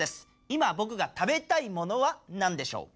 今ぼくが食べたいものは何でしょう？